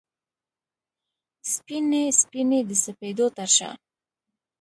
سپینې، سپینې د سپېدو ترشا